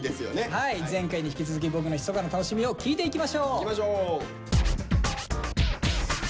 はい前回に引き続き「ボクのひそかな楽しみ」を聞いていきましょう！